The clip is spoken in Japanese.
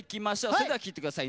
それでは聴いてください。